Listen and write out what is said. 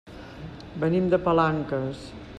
Venim de Palanques.